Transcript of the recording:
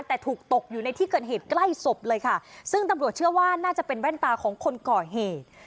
แต่ถูกตกอยู่ในที่เกิดเหตุใกล้ศพเลยค่ะซึ่งตำรวจเชื่อว่าน่าจะเป็นแว่นตาของคนก่อเหตุ